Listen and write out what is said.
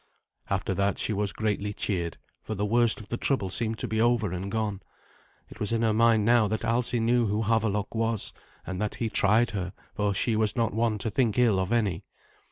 After that she was greatly cheered, for the worst of the trouble seemed to be over and gone. It was in her mind now that Alsi knew who Havelok was, and that he tried her, for she was not one to think ill of any.